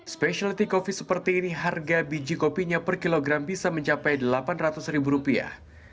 specialty coffee seperti ini harga biji kopinya per kilogram bisa mencapai delapan ratus ribu rupiah